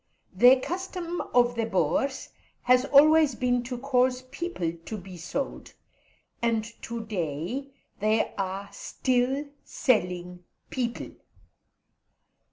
The custom of the Boers has always been to cause people to be sold, and to day they are still selling people.